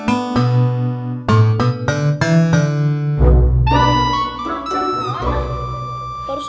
itu apa sih